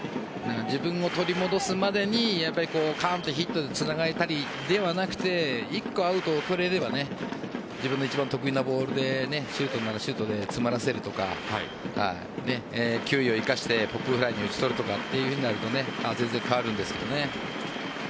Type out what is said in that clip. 自分を取り戻すまでにつなげたりではなくて１個、アウトを取れれば自分の一番得意なボールでシュートならシュートで詰まらせるとか球威を生かして打ち取るとかというふうになると全然変わるんですけどね。